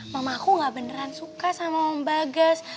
mama aku enggak beneran suka sama mbak gas